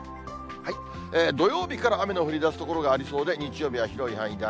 土曜日から雨の降りだす所がありそうで、日曜日は広い範囲で雨。